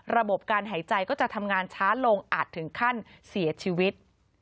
ระบบการหายใจก็จะทำงานช้าลงอาจถึงขั้นเสียชีวิต